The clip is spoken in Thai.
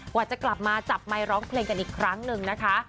กว่าจะกลับมาจับไมค์ร้องเพลงกันอีกครั้งหนึ่งนะคะ